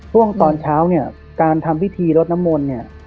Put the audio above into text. ช่วงตอนเช้าการทำพิธีรถน้ำมนต์